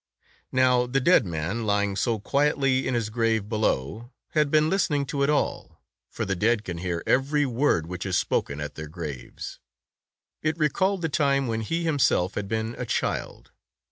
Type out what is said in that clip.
Now the dead man, lying so quietly in his grave below, had been listening to it all; for the dead can hear every word which is spoken at their graves. It recalled the time when he himself had been a child.